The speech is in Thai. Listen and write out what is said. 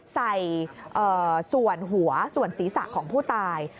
ใส่ส่วนหัวส่วนศีรษะของผู้ตาย